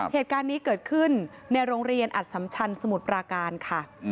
เหตุการณ์นี้เกิดขึ้นในโรงเรียนอัดสัมชันสมุทรปราการค่ะ